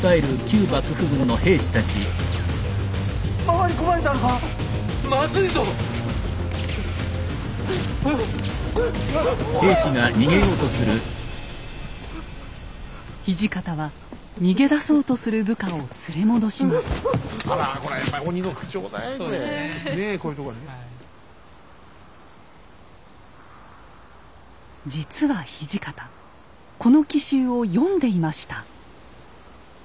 実は土方この奇襲を読んでいました。